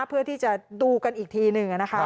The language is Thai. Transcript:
เพื่อที่จะดูกันอีกทีหนึ่ง